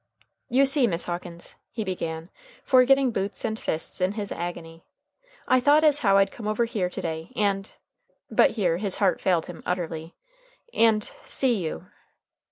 "You see, Miss Hawkins," he began, forgetting boots and fists in his agony, "I thought as how I'd come over here to day, and" but here his heart failed him utterly "and see you."